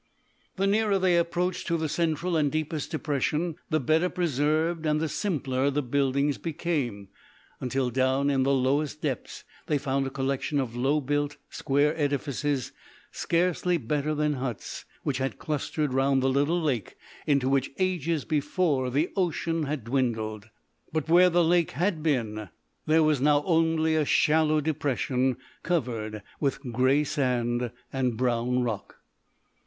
The nearer they approached to the central and deepest depression, the better preserved and the simpler the buildings became, until down in the lowest depths they found a collection of low built square edifices, scarcely better than huts, which had clustered round the little lake into which, ages before, the ocean had dwindled. But where the lake had been there was now only a shallow depression covered with grey sand and brown rock.